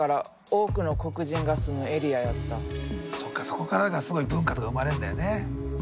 そこからがすごい文化とか生まれるんだよね。